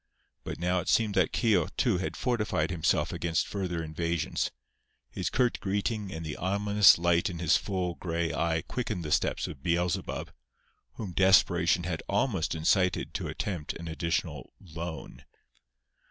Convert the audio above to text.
But now it seemed that Keogh, too, had fortified himself against further invasions. His curt greeting and the ominous light in his full, grey eye quickened the steps of "Beelzebub," whom desperation had almost incited to attempt an additional "loan."